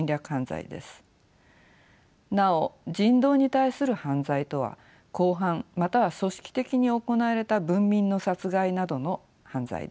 なお人道に対する犯罪とは広範または組織的に行われた文民の殺害などの犯罪です。